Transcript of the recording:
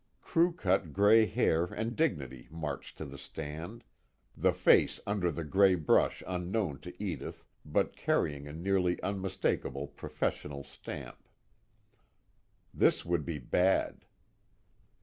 Crew cut gray hair and dignity marched to the stand, the face under the gray brush unknown to Edith but carrying a nearly unmistakable professional stamp. This would be bad.